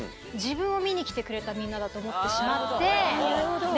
みんなだと思ってしまって。